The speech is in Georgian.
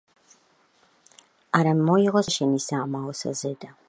არა მოიღო სახელი უფლისა ღმრთისა შენისა ამაოსა ზედა..